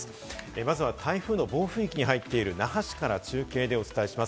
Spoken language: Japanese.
まずは台風の暴風域に入っている那覇市から中継でお伝えします。